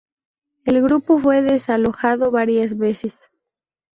El grupo fue desalojado varias veces.